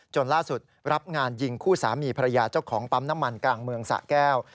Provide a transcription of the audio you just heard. ล่าสุดรับงานยิงคู่สามีภรรยาเจ้าของปั๊มน้ำมันกลางเมืองสะแก้ว